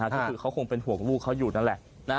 ก็คือเขาคงเป็นห่วงลูกเขาอยู่นั่นแหละ